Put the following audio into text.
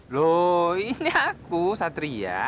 loh ini aku satria